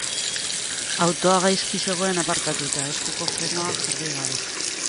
Autoa gaizki zegoen aparkatuta, eskuko frenoa jarri gabe.